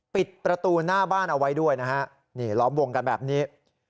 ปิดประตูหน้าบ้านเอาไว้ด้วยนะฮะนี่ล้อมวงกันแบบนี้